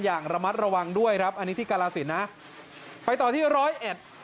อย่างระมัดระวังด้วยครับอันนี้ที่กรสินนะไปต่อที่ร้อยเอ็ด